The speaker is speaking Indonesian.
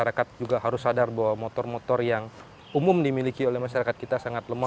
jadi kita juga harus sadar bahwa motor motor yang umum dimiliki oleh masyarakat kita sangat lemah